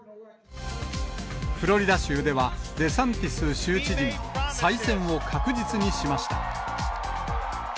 フロリダ州では、デサンティス州知事が再選を確実にしました。